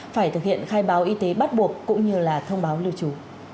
phải thực hiện khai báo y tế bắt buộc cũng như là thông báo lưu trú